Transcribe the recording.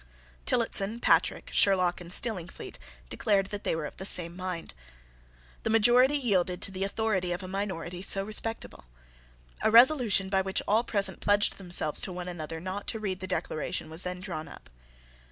Tillotson, Patrick, Sherlock, and Stillingfleet declared that they were of the same mind. The majority yielded to the authority of a minority so respectable. A resolution by which all present pledged themselves to one another not to read the Declaration was then drawn up.